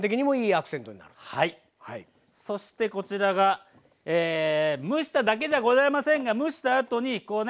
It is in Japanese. そしてこちらが蒸しただけじゃございませんが蒸したあとにこうね